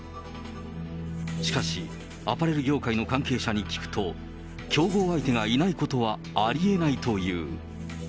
しかし、アパレル業界の関係者に聞くと、競合相手がいないことはありえないという。